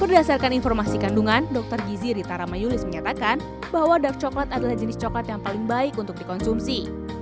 berdasarkan informasi kandungan dr gizi ritaramayulis menyatakan bahwa dark coklat adalah jenis coklat yang paling baik untuk dikonsumsi